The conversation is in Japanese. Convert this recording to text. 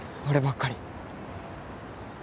俺ばっかり。